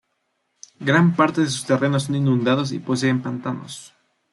Gran parte de sus terrenos son inundados y poseen pantanos.